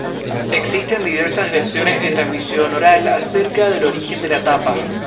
Existen diversas versiones de transmisión oral acerca del origen de la tapa.